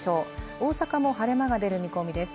大阪も晴れ間が出る見込みです。